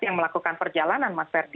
yang melakukan perjalanan mas ferdi